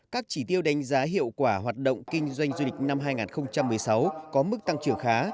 các chỉ tiêu đánh giá hiệu quả hoạt động kinh doanh du lịch năm hai nghìn một mươi sáu có mức tăng trưởng khá